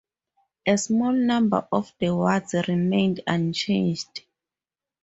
A small number of the wards remained unchanged.